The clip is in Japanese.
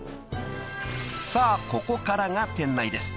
［さあここからが店内です］